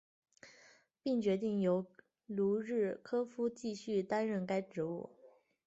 并决定由卢日科夫继续担任该职务。